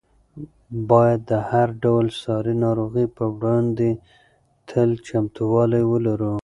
باید د هر ډول ساري ناروغۍ په وړاندې تل چمتووالی ولرو.